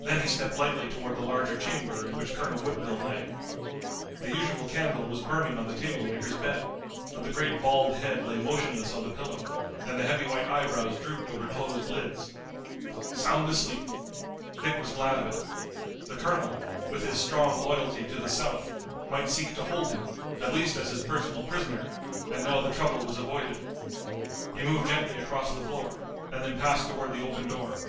Then he stepped lightly toward the larger chamber in which Colonel Woodville lay. The usual candle was burning on the table near his bed, but the great bald head lay motionless on the pillow, and the heavy white eyebrows drooped over closed lids. Sound asleep! Dick was glad of it. The colonel, with his strong loyalty to the South, might seek to hold him, at least as his personal prisoner, and now the trouble was avoided. He moved gently across the floor, and then passed toward the open door.